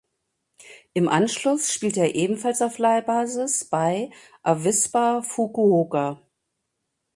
Im Anschluss spielte er ebenfalls auf Leihbasis bei Avispa Fukuoka.